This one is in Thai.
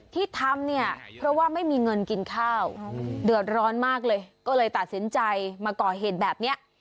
ที่ทำเนี่ยเพราะว่าไม่มีเงินกินข้าวเดือดร้อนมากเลยก็เลยตัดสินใจมาก่อเหตุแบบนี้